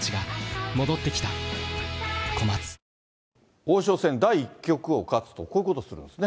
王将戦第１局を勝つと、こういうことするんですね。